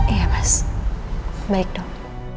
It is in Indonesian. iya mas baik dong